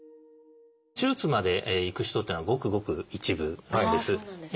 手術までいく人っていうのはごくごく一部なんです。